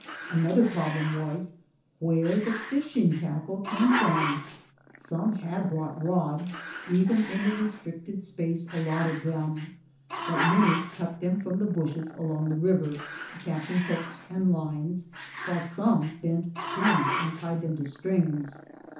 Another problem was, where the lishing tackle came from ! Some had brought rods, even in the restricted space allotted them, but many cut them from the bushes along the river, attaching hooks and lines, while some bent pins and tied them to strings.